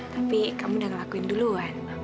tapi kamu udah ngelakuin duluan